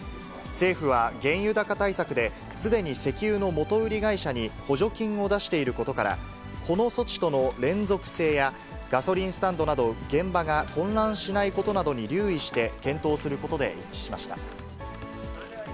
政府は原油高対策で、すでに石油の元売り会社に補助金を出していることから、この措置との連続性やガソリンスタンドなど、現場が混乱しないことなどに留意して、検討することで一致しました。